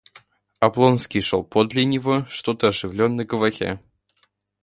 Облонский шел подле него, что-то оживленно говоря.